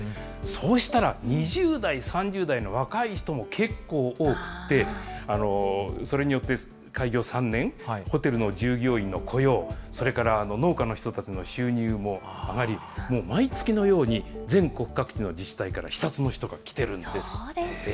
そうしたら、２０代、３０代の若い人も結構多くて、それによって、開業３年、ホテルの従業員の雇用、それから農家の人たちの収入も上がり、もう毎月のように、全国各地の自治体から視察の人が来てるんですって。